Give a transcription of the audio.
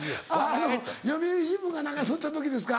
読売新聞か何か取った時ですか？